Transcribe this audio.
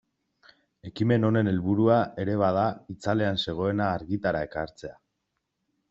Ekimen honen helburua ere bada itzalean zegoena argitara ekartzea.